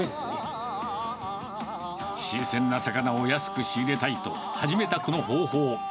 新鮮な魚を安く仕入れたいと、始めたこの方法。